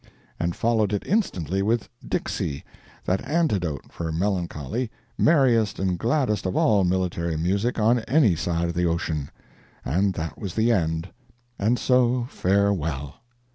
and followed it instantly with "Dixie," that antidote for melancholy, merriest and gladdest of all military music on any side of the ocean—and that was the end. And so—farewell!